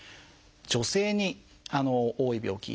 女性に多い病気